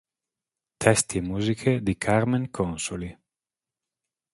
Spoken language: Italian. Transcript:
Testi e musiche di Carmen Consoli.